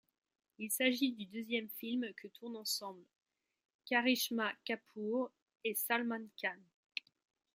Il s'agit du deuxième film que tournent ensemble Karishma Kapoor et Salman Khan.